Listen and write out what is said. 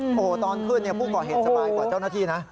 โอ้โหตอนขึ้นผู้ก่อเหตุสบายกว่าเจ้าหน้าที่นะ